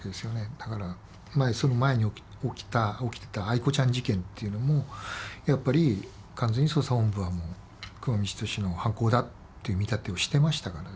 だからその前に起きてたアイコちゃん事件っていうのもやっぱり完全に捜査本部はもう久間三千年の犯行だっていう見立てをしてましたからですね。